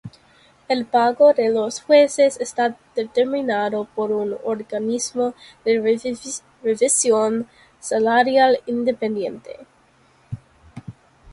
El pago de los jueces está determinado por un organismo de revisión salarial independiente.